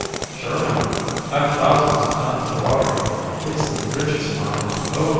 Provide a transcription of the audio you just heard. "Sure, man, I've thousands of tons of water here. It's the richest mine on the Moon!"